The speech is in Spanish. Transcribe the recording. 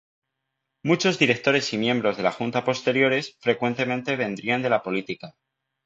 Muchos directores y miembros de la junta posteriores frecuentemente vendrían de la política.